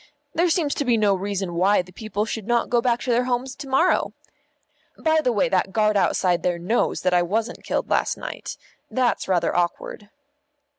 There seems to be no reason why the people should not go back to their homes to morrow. By the way, that guard outside there knows that I wasn't killed last night; that's rather awkward."